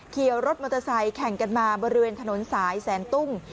ขี่รถมอเตอร์ไซค์แข่งกันมาบริเวณถนนสายแสนตุ้ง